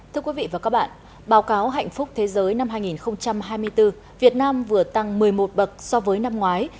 thưa quý vị và các bạn báo cáo hạnh phúc thế giới năm hai nghìn hai mươi bốn việt nam vừa tăng một mươi một bậc so với năm ngoái